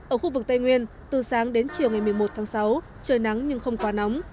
ở khu vực tây nguyên từ sáng đến chiều ngày một mươi một tháng sáu trời nắng nhưng không quá nóng